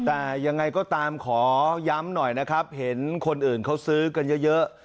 แต่ยังไงก็ตามขอย้ำหน่อยนะครับเห็นคนอื่นเขาซื้อกันเยอะ